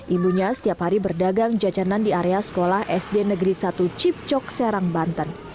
ibunya setiap hari berdagang jajanan di area sekolah sd negeri satu cipcok serang banten